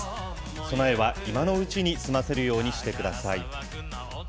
備えは今のうちに済ませるようにしてください。